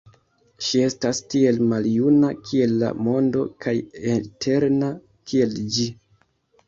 Ŝi estas tiel maljuna, kiel la mondo, kaj eterna kiel ĝi.